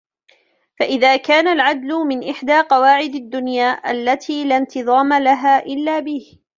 فَإِذَا كَانَ الْعَدْلُ مِنْ إحْدَى قَوَاعِدِ الدُّنْيَا الَّتِي لَا انْتِظَامَ لَهَا إلَّا بِهِ